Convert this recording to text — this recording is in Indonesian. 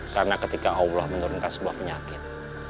karena ketika allah menurunkan sebuah penyakit